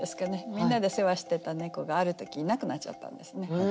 みんなで世話してた猫がある時いなくなっちゃったんですね。